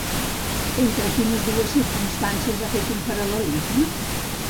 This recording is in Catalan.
Entre quines dues circumstàncies ha fet un paral·lelisme?